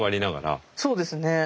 そうですね。